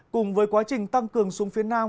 cùng với quá trình tăng cường xuống phía nam